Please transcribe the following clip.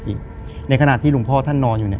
คือก่อนอื่นพี่แจ็คผมได้ตั้งชื่อ